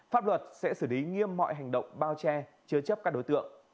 pháp luật sẽ xử lý nghiêm mọi hành động bao che chứa chấp các đối tượng